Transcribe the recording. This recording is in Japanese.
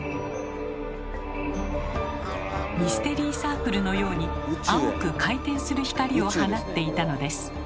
ミステリーサークルのように青く回転する光を放っていたのです。